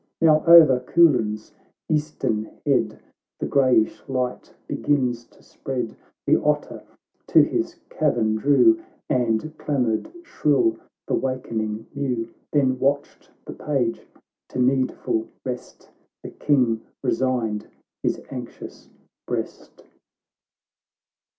Now over Coolin's eastern head The greyish light begins to spread, The otter to his cavern drew, And clamoured shrill the wakening mew; Then watched the Page— to needful rest The King resigned his anxious breast.